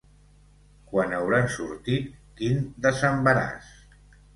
Quan hauran sortit, quin desembaràs!